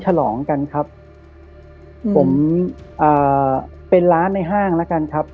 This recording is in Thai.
ฉลองกันครับผมอ่าเป็นร้านในห้างแล้วกันครับ